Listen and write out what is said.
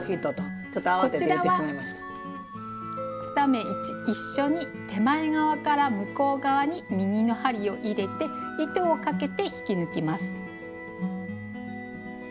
２目一緒に手前側から向こう側に右の針を入れて糸をかけて引き抜きます。